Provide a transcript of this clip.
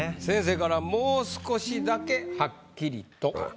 先生から「もう少しだけはっきりと！」。